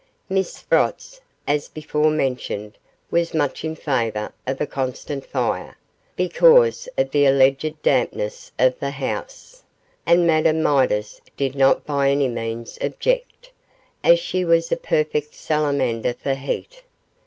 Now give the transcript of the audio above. Miss Sprotts, as before mentioned, was much in favour of a constant fire, because of the alleged dampness of the house, and Madame Midas did not by any means object, as she was a perfect salamander for heat.